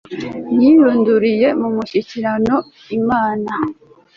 Yirunduriye mu mushyikirano nImana